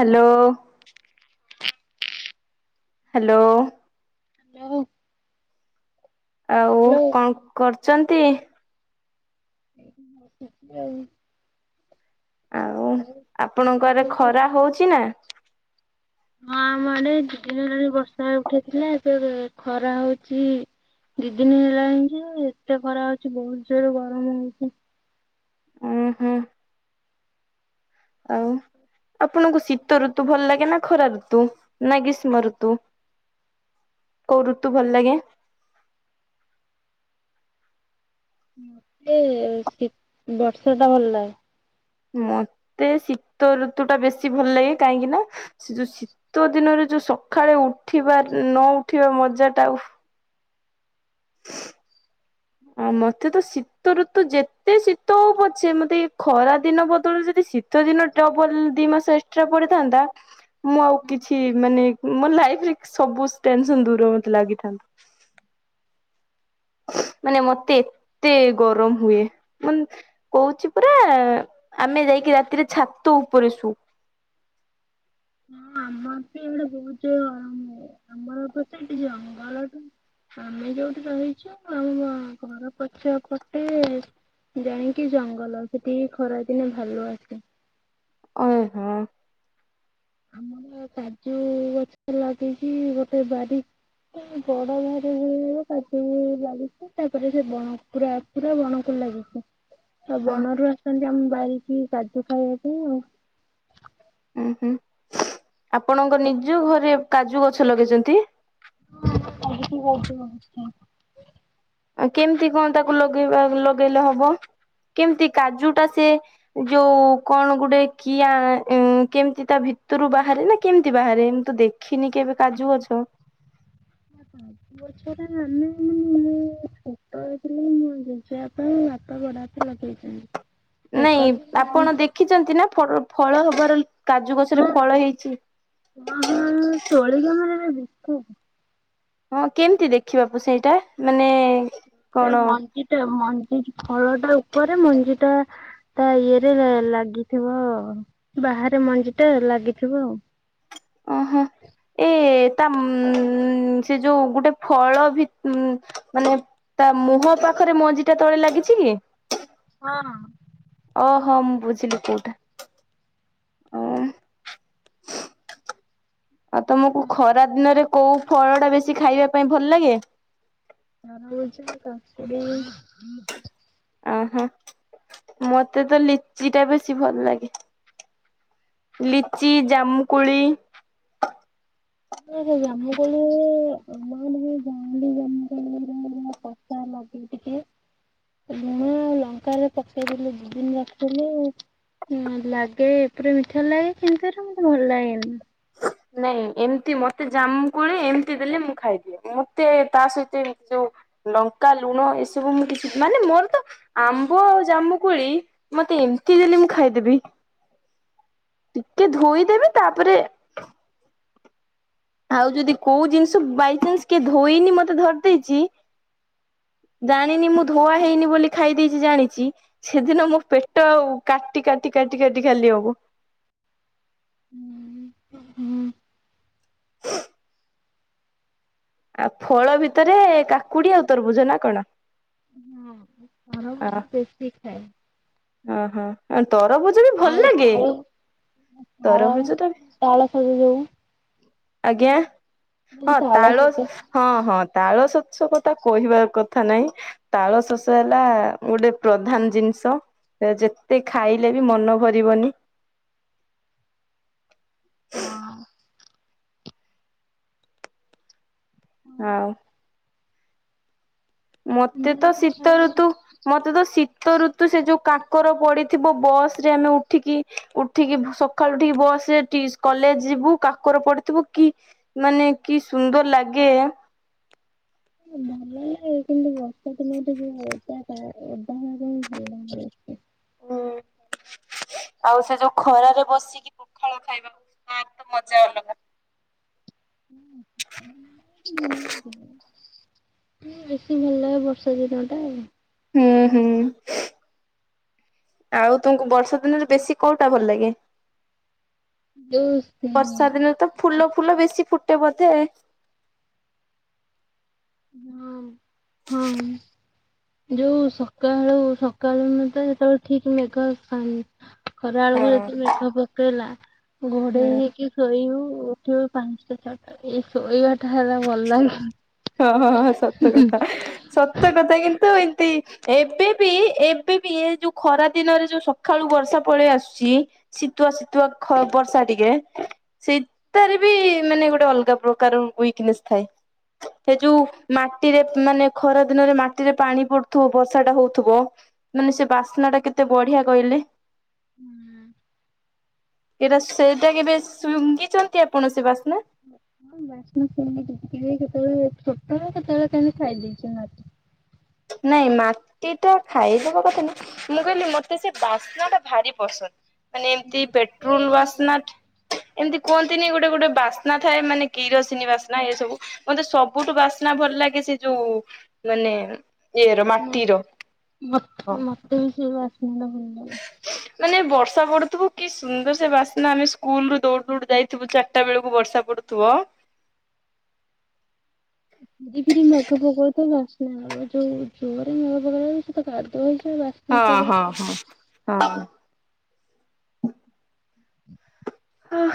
Hello. Hello. Hello. ଆଉ hello କଣ କରୁଛନ୍ତି? ହୁଁ। ଆଉ ଆପଣଙ୍କରେ ଖରା କରୁଛ? ହଉଛି ନା। ହଁ ମଡେ ଦି ଦିନ ଧଣି ବର୍ଷା ଉଠେଇଥିଲା ଖରା ହଉଛି। ଦି ଦିନ ହେଲାଣି ଯେ ଏତେ ଖରା ହଉଛି ବହୁତ ଜୋରରୁ ଗରମ ହଉଛି। ହୁଁ ହୁଁ। ଆଉ ଆପଣଙ୍କୁ ଶୀତ ଋତୁ ଭଲ ଲାଗେ ନା ଖର ତୁ ନଗିସ୍ ମରତୁ? କଉ ଋତୁ ଭଲ ଲାଗେ? ମତେ ଶୀତ ବର୍ଷ ଟା ଭଲ ଲାଗେ। ମତେ ଶୀତ ଋତୁ ଟା ବେଶୀ ଭଲ ଲାଗେ କାହିଁକି ନା ସେ ଯୋଉ ଶୀତ ଦିନରେ ଯୋଉ ସକାଳେ ଉଠିବା ନ ଉଠିବା ମଜା ଟା ଆଉ। ଆଉ ମତେ ତ ଶୀତଋତ ଯେତେ ଶୀତ ହଉ ପଛେ ମତେ ଏ ଖରା ଦିନ ବଦଳ ଯଦି ଶୀତ ବଲ ଦି ମାସ ଏକ୍ସଟ୍ରା ପଡିଥାନ୍ତା ମୁଁ ଆଉ କିଛି ମାନେ ମୋ ଲାଇଫରେ ସବୁ ଟେନସନ ଦୂର ମତେ ଲାଗିଥାନ୍ତତା। ମାନେ ମତେ ଏତେ ଗରମ ହୁଏ ମୁ କହୁଛି ପୁରା। ଆମେ ଯାଇକି ରାତିରେ ଛାତ ଉପରେ ଶୁ। ହଁ ଆମର ବି ଏଇଡେ ବହୁତ ଗରମ ଆମର ତ ସେଠି ଜଙ୍ଗଲଠୁ ଆମେ ଯୋଉଠି ରହିଛୁ ଆମ ଘର ପଛ ପଟେ। ଜାଣିକି ଜଙ୍ଗଲ ସେଠିକି ଖରା ଦିନେ ଭଲ ଆସେ ଓ ହୋ। ଆମର କାଜୁ ଗଛ ଲାଗିଛି ଗୋଟେ ବାର ବଡ ଘାର କାଟି ଲାଗୁଛି ତାପରେ ସେ ବଣକୁା ପୁରା ବଣକୁ ଲାଗିଛି। ତ ହୁଁ ବଣରୁ ଆସନ୍ତି ଆମ ବାାରିକି କାଦୁ ଖାଇବା ପାଇଁ ଆଉ ହୁଁ ଆପଣଙ୍କ ନିଜ ଘରେ କାଜୁ ଗଛ ଲଗେଇଛନ୍ତି। ଆ କି କଛ ଅବସ୍ଥା। ଆ କେମିତି କଣ ତାକୁ ଲଗେଇବା ଲଗେଇଲେ ହବ କେମିତି କାଜୁ ଟା ସେ ଯୋଉ କଣ ଗୋଟେ କିଆ କେମିତି ତା ଭିତ ଭିତରୁ ବାହାରେ ନା କେମିତି ବାହାରେ ଏମି ତ ଦେଖିନି କେବେ କାଜୁ ଗଛ ପାଞ୍ଚ ବଛ ଟ ଆମେ ମାନେ ଛୋଟ ହେଇଥିଲି ମଞଜି ଯିବା ପାଇଁ ଭାତ ଗଡା ତ ଲଗେଇଛନ୍ତିଣି। ନାଇଁ ଆପଣ ଦେଖିଛନ୍ତି ନା ଫଳ ହବାର। କାଜୁ ଗଛ ରେ ହଁ ଫଳ ହେଇଛି। ଦେ ହଁ କେମିତି ଦେଖିବା ପୁ ସେଇଟା ମାନେ କଣ ମଞ୍ଜି ଟା ମଞ୍ଜି ଫଳ ଟା ଉପରେ ମଞ୍ଜି ଟା ତା ଇଏରେ ଲାଗିଥିବ ବାହାରେ ମଞ୍ଜି ଟା ଲାଗିଥିବ ଆଉ। ଓହୋ। ଏ ତା ଉ ସେ ଯୋଉ ଗୋଟେ ଫଳ ଭି ମାନେ ତା ମୁହଁ ପାଖରେ ମଞ୍ଜି ଟା ତଳେ ଲାଗିଛି କି? ହଁ। ଓଁ ହଁ ମୁଁ ବୁଝିଲି କୋଉଟା ଓ ଆଉ ତମକୁ ହଁ ଖରା ଦିନରେ କୋଉ ଫଳ ଟା ବେଶୀ ଖାଇବା ପାଇଁ ଭଲ ଲାଗେ? ଆ [unintelligible] ଓହୋ ମତେ ତ ଲିଚି ଟା ବେଶୀ ଭଲ ଲାଗେ। ଲିଚି ଜାମୁକୁଳି। ନ ସେ ଜାମ କୋଳି [unintelligible] ଟିକେ ଲୁଣ ଆଉ ଲଙ୍କାରେ ପକେଇଦେଲେ ଦି ଦିନ ରଖିଦେଲେ। ହ ଲାଗେ ଏପଟେ ମିଠା ଲାଗେ କିନ୍ତୁ ମୋତେ ଭଲ ଲାଗେନି। ନାଇଁ ଏମିତି ମତେ ଜାମୁ କୋଳି ଏମିତି ଦେଲେ ମୁଁ ଖାଇଦିଏ ମତେ ତା ସହିତ ଯୋଉ ଲଙ୍କା ଲୁଣ ଏସବୁ ମୁଁ କିଛି ମାନେ ମୋର ତ ଆମ୍ବ ଆଉ ଜାମୁକୁୋଳି ମତେ ଏମିତି ଦେଲେ ମୁଁ ଖାଇଦେବି। ଟିକେ ଧୋଇଦେବେ ତାପରେ ଆଉ ଯଦି କୋଉ ଜିନିଷ ବାଇଚାନ୍ସ କିଏ ଧୋଇନି ମତେ ଧରି ଦେଇଛି। ଜାଣିନି ମୁଁ ଧୁଆ ହେଇନି ବୋଲି ଖାଇ ଦେଇଛି ଜାଣିଛି ସେଦିନ ମୋ ପେଟ ଆଉ କାଟି କାଟି। କାଟି କାଟି ଖାଲି ହେବ। ହୁଁ। ଆଉ ଫଳ ଭିତରେ କାକୁଡି ଆଉ ତରଭୁଜ ନା କଣ? ହଁ ଘର ଖାଦ୍ୟ ଟେଷ୍ଟି ଥାଏ। ହଁ ହଁ। ତରଭୁଜ ବି ଭଲ ଲାଗେ। ତାଳ ତାଳ ତରଭୁଜ ଟା ବି- ତାଳ ସଜ ଯୋଉ ଆଜ୍ଞା ବୋଲି ହଁ ତାଳ ସଜ ହଁ ହଁ ତାଳ ସ- ଶସ କଥା କହିବା କଥା ନାଇଁ ତାଳ ଶସ ହେଲା ଗୋଟେ ପ୍ରଧାନ ଜିନିଷ। ଯେତେ ଖାଇଲେ ବି ମନ ଭରିବନି। ହଁ। ଆଉ ମୋତେ ତ ଶୀତ ଖାଇଛୁ ଋତୁ ମୋତେ ତ ଶୀତ ଋତୁ ସେ ଯୋଉ କା- ର ପଡିଥିବ ବସରେ ଆମେ ଉଠିକି ଉଠିକି ସକାଳୁ ଉଠିକି ବସରେ କଲେଜ। ଯିବୁ କାକର ପଡିଥିବ କି ମାନେ କି ସୁନ୍ଦର ଲାଗେ। ଭଲ ଲାଗେ କିନ୍ତୁ ବର୍ଷା ଦିନଟା ଯ ଓଦାଟା ଓଦା [unintelligible] ହୁଁ। ଆଉ ସେ ଯୋଉ ଖରାରେ ବସିକି ପଖାଳ ଖାଇବା ତା ତ ମଜା ଅଲଗା। ହଁ ହୁଁ ବେଶୀ ଭଲ ଲାଗେ ବର୍ଷା ଦିନ ଟା। ହୁଁ ହୁଁ। ଆଉ ତମକୁ ବର୍ଷା ଦିନରେ ବେଶୀ କୋଉଟା ଭଲ ଲାଗେ? ଯୋଉ ବର୍ଷା ହଁ ଦିନେ ତ ଫୁଲ ଫୁଲ ବେଶୀ ଫୁଟ ହଁ। ଯୋଉ ସକାଳୁ ସକାଳ ନଥାଏ ଠିକ [unintelligible] ମେଘାଥା ଖରା ବେଳକୁ ଯଦି ହୁଁ ମେକ ପକେଇଲା ଘୋଡେଇ ହେଇକି ଶୋଇବୁ। ଠିବ ପାଞ୍ଚଟା ଛଅଟା ଏଇ ଶୋଇବାଟା ହେଲା ଭଲ ଲାଗେ। ହଁ ହଁ ହଁ ସତ କଥା ସତ କଥା କିନ୍ତୁ ଏବେ ବି ଏବେ ବି ଏ ଯୋଉ ଖରା ଦିନରେ ଯୋଉ ସକାଳୁ ବର୍ଷା ପଳେଇ ଆସୁଛି ଶୀତୁଆ ଶୀତୁଆ ଖ ବର୍ଷା ଟିକେ ସେଇତାରେ ବି ମାନେ ଗୋଟେ ଅଲଗା ପ୍ରକାର ୱଇକ ନେସ ଥାଏ। ସେ ଯୋଉ ମାଟିରେ ମାନେ ଖରା ଦିନରେ ମାଟିରେ ପାଣି ପଡୁଥିବ ବର୍ଷା ଟା ହଉଥିବ। ମାନେ ସେ ବାସ୍ନା ଟା କେତେ ବଢିଆ କହିଲେ? ହୁଁ ଏଟା ସେଟା କେବେ ଶୁଙ୍ଘିଛନ୍ତି ଆପଣ ସେ ବାସନା? ହଁ ବାସ୍ନା ସୂଂଗିଛି କେତେବେଳେ ଛୋଟ କେତେବେଳେ କେମତି ଖାଇ ଦେଇେଇଛି ମାଟି। ନାଇଁ ମାଟି ଟା ଖାଇଦବା କଥା ନାହି ମୁଁ କହିଲି ମତେ ସେ ବାସ୍ନା ଟା ଭାରି ପସନ୍ଦ। ମାନେ ଏମିତି ମତେ ପେଟ୍ରୋଲ ବି ବାସ୍ନା କି ଏମିତି କୁହନ୍ତିନି ଗୋଟେ ଗୋଟେ ବାସ୍ନା ଥାଏ ମାନେ କିରସିନୀ ବାସ୍ନା ଏ ସବୁ ମତେ ସବୁଠୁ ବାସ୍ନା ଭଲ ଲାଗେ ସେ ଯୋଉ ମାନେ ଇଏର ମ ମାଟିର ମ ହଁ। ମତେ ବି ସେ ବାସ୍ନା ଟା ଭ [inaudible] ମାନେ ବର୍ଷା ପଡୁଥିବୁ କି ସୁନ୍ଦର ସେ ବାସ୍ନା ଆମେ ସ୍କୁଲରୁୁ ଦୌଡ ଦୌଡ ଯାଇଥିବୁ ଚାରଟା ବେଳକୁ ବର୍ଷା ପୋଡ଼ୁ ଥିବ [inaudible] ଫରି ଫିରି ମେଘ ପକଉଥାଏ ବାସ୍ନା ଯୋଉ ଜୋରରେ ମେଘ ପକେଇଲେ ସେ ତ କାଦଅ ହଁ ହଁ ହଁ ହଁ। [inaudible] [inaudible] ଆଁ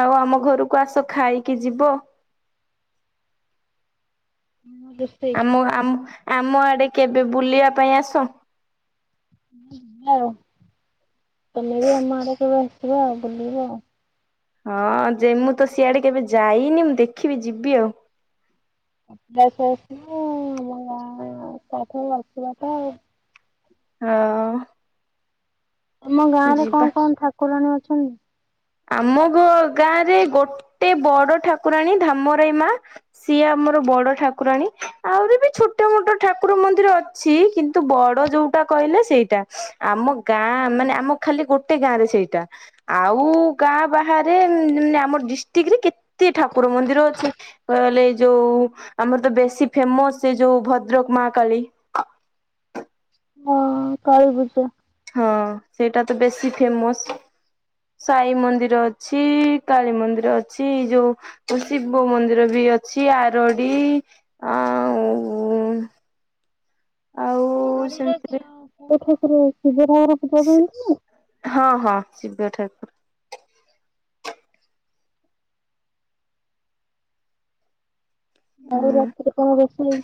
ଆଉ ଆମ ଘରକୁ ଆସ ଖାଇକି ଯିବ। ହଁ ରୋଷେଇ ଆମ ଆ ଆମ ଆଡେ କେବେ ବୁଲିବା ପାଇଁ ଆସ। ଆଉ [inaudible] କଲେ ବି ଆମ ଆଡକୁବେ ଆସିିବ ଆଉ ବୁଲିବ ଆଉ। ହଁ ଯେ ମୁଁ ତ ସିଆଡେ କେବେ ଯାଇନି ମୁଁ ଦେଖିବି ଯିବି ଆଉ। ଅଭ୍ୟାସ ଅଛି ନା ଆଉ ଆମ ଗାଁ [unintelligible] ଆଉ ହଁ। ତମ ଗାଁ ରେ ଯିବା କଣ କଣ ଠାକୁରାଣୀ ଅଛନ୍ତି? ଆମ ଗାଁ ରେ ଗୋଟେ ବଡ ଠାକୁରାଣୀ ଧାମରାଇ ମା ସିଏ ଆ ଆମର ବଡ ଠାକୁରାଣୀ ଆହୁରି ବି ଛୋଟ ମୋଟ ଠାକୁର ମନ୍ଦିର ଅଛି କିନ୍ତୁ ବଡ ଯୋଉଟା କହିଲେ ସେଇଟା ଆମ ଗାଁ ମାନେ ଆମ ଖାଲି ଗୋଟେ ଗାଁ ରେ ସେଇଟା ଆଉ ଗାଁ ବାହାରେ ଆମର ଡିଷ୍ଟ୍ରିକ୍ଟ ରେ କେତେ ଠାକୁର ମନ୍ଦିର ଅଛି ବ ଲେ ହେ ଯୋଉ ଆମର ତ ବେଶୀ ଫେମସ ସେ ଯୋଉ ଭଦ୍ରକ ମାହାକାଳୀ। ହଁ କାଳିପୂଜା। ହଁ ସେଇଟା ତ ବେଶୀ ଫେମସ ସାଇ ମନ୍ଦିର ଅଛି କାଳୀ ମନ୍ଦିର ଅଛି ଏ ଯୋଉ ଶିବ ମନ୍ଦିର ବି ଏଠି ଅଛି ଆରଡି ଆଉ ଆଉ ଆରଡ଼ିରେ ସେମିତିରେ କେଉଁ [inaudible] ଠାକୁର ଶିବ ହଁ [unintelligible] ହଁ ଶିବ ଠାକୁର ଆଉ ଉଁ ରାତିରେ କଣ ରୋଷେଇ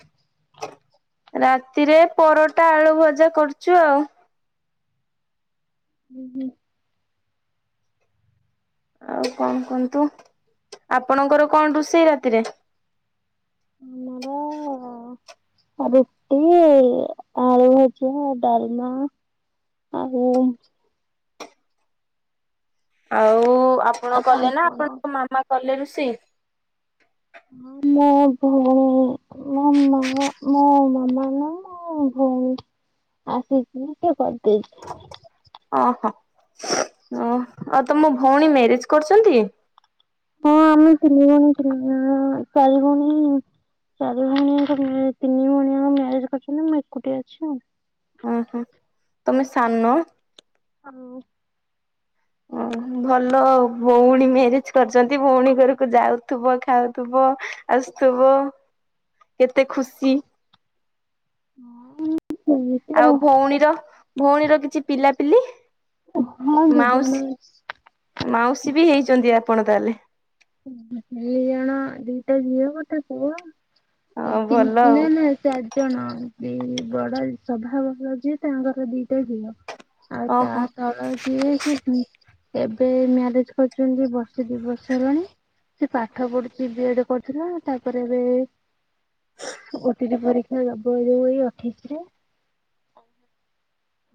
ରାତିରେ ପରଟା ଆଳୁ ଭଜା କରଚୁ ଆଉ। ହୁଁ ହୁ। ଆଉ କଣ କୁହନ୍ତୁ ଆପଣଙ୍କର କଣ ରୋଷେଇ ରାତିରେ? ଆମର ରୁଟି ଆଳୁ ଭଜା ଡାଲମା ଆଉ ଆଉ ଆପଣ ଆଉ କଲେ ନା ପାମ୍ପଡ। ଆପଣଙ୍କ ମାମା କଲେ ରୋଷେଇ? ମୋ ଭୋଉ ମୋ ମା ମୋ ମାମା ନା ମୋ ଭଉଣୀ ଆସିକି କିଏ କରିଦେଇଚି ଓହୋ ଓ ଆଉ ତମ ଭଉଣୀ ମ୍ୟାରେଜ କରୁଛନ୍ତି? ହଁ ଆମେ ତିନି ଜଣ ତିନି ଜଣ ଚାରି ଭଉଣୀ। ଚାରି ଭଉଣୀଙ୍କ ତିନି ଭଉଣୀଙ୍କ ମ୍ୟାରେଜ କରିଛନ୍ତି ମୁଁ ଏକୁଟିଆ ଅଛି ଆଉ। ଆହାଁ ତମେ ସାନ। ହାଲୋ ଅହ ଭଲ ଭଉଣୀ ମ୍ୟାରେଜ କରିଛନ୍ତି ଭଉଣୀ ଘରକୁ ଯାଉଥୁବ ଖାଉଥୁବ। [unintelligible] ଆସୁଥିବ କେତେ ଖୁସି ହୁଁଉଁ। ଆଉ ଭଉଣୀର ଭଉଣୀର କିଛି ପିଲାପିଲି? ହଁ ଦି ଜଣ ମାଉସୀ ମାଉସୀ ବି ହେଇଛନ୍ତି ଆପଣ ତାହେଲେ। ଦିଇ ଜଣ ଦୁଇଟା ଝିଅ ଗୋଟେ ପୁଅ। ଅ ଏ ତିନି ଭଲ ଆଉ [unintelligible] ନା ଚାରିଜଣ ଦି ବଡ ସଭାବଡ଼ ଯିଏ ତାଙ୍କର ଦିଟା ଝିଅ। ଆଉ ତା ଓହୋ। ତଳ ଯିଏ ସେ ହୁଁଉ ଏବେ ମ୍ୟାରେଜ କରିଛନ୍ତି ବର୍ଷେ ଦି ବର୍ଷ ହେଲାଣି। ସେ ପାଠ ପଢୁଛି ବି ଏ ଡ କରୁଥିଲା ତାପରେ ଏବେ ଓ ଟି ଟି ପରୀ - - [unintelligible] ଏଇ ଯୋଉ ଏଇ ଅଠେଇଶି ରେ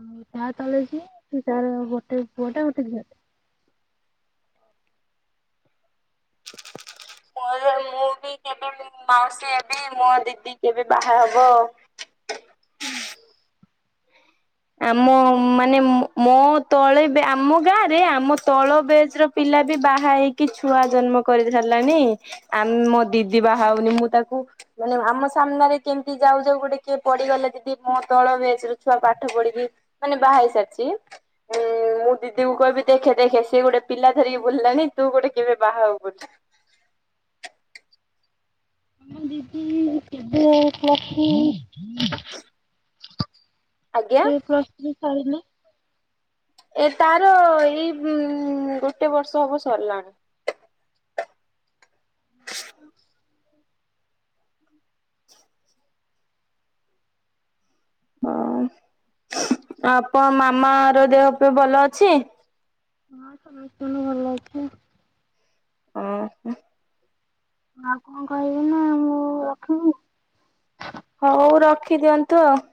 ଆଉ ତା ତଳେ ଯିଏ ତାର ଗୋଟେ ପୁଅଟେ ଝିଅଟେ। ମୋର ମୁଁ ବି କେବେ ମାଉସୀ ହେବ ମୋ ଦିଦି କେବେ ବାହା ହବ। ହୁଁ। ଆମ ମାନେ ମୋ ତଳେ ଆମ ଗାଁ ରେ ଆମ ତଳ ବେଜ୍ ର ପିଲା - - ପିଲା ଯେ ବାହା ହେଇକି ଛୁଆ ଜନ୍ମ କରି ସାରିଲାଣି ଆମ ମୋ ଦିଦି ବାହା ହଉନି ମୁଁ ତାକୁ ମାନେ ଆମ ସାମ୍ନାରେ କେମିତି ଯାଉ ଯାଉ ଗୋଟେ କିଏ ପଡିଗଲେ ଦିଦି ମୋ ତଳ ବେଚ ର ଛୁଆ ପା - - ପାଠ ପଢିକି ମାନେ ବାହା ହେଇ ସାରିଛି ଉଁ - - ଉଁ ମୁଁ ଦିଦି କହିବି ଦେଖେ ଦେଖେ ସେ ଗୋଟେ ପିଲା ଧରିକି ବୁଲିଲାନି ତୁ ଗୋଟେ କେବେ ବାହା ହବୁନ୍ ଆମ ଦିଦି କେବେ [unintelligible] ଆଜ୍ଞା କେବେ ପ୍ଲସ୍ ଥ୍ରୀ ସାରିଲେ? ଏ ତାର ଏଇ ଗୋଟେ ବର୍ଷ ହବ ସରିଲାଣି। ହଁ ଆପଣ ମାମା ର ଦେହ ଫେହ ଭଲ ଅଛି? ହଁ ସମସ୍ତଙ୍କର ଭଲ ଅଛି। ଅଁହଃ। ଆଉ କଣ କହିବେ ନା ମୁଁ ରଖିବି। ହଉ ରଖିଦିଅନ୍ତୁ ଆଉ।